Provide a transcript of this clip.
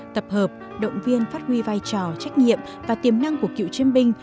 tập hợp động viên phát huy vai trò trách nhiệm và tiềm năng của cựu chiến binh